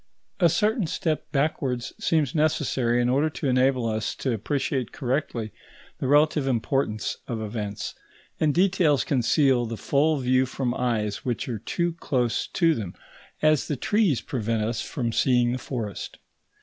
A certain step backwards seems necessary in order to enable us to appreciate correctly the relative importance of events, and details conceal the full view from eyes which are too close to them, as the trees prevent us from seeing the forest.